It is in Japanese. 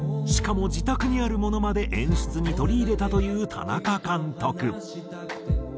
しかも自宅にあるものまで演出に取り入れたという田中監督。